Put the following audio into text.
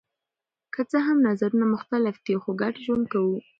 که څه هم نظرونه مختلف دي خو ګډ ژوند کوو.